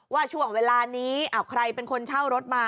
ว่าช่วงเวลานี้ใครเป็นคนเช่ารถมา